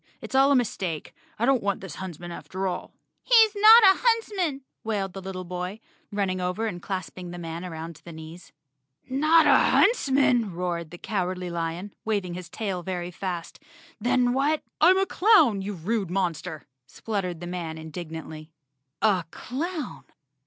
It's all a mistake. I don't want this huntsman after all." "He's not a huntsman," wailed the little boy, running over and clasping the man around the knees. "Not a huntsman?" roared the Cowardly Lion, wav¬ ing his tail very fast. "Then what—" "I'm a clown, you rude monster," spluttered the man indignantly. A clown!